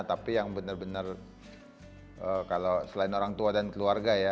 tapi yang benar benar kalau selain orang tua dan keluarga ya